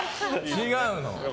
違うの。